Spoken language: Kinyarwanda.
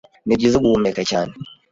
Nibyiza guhumeka cyane.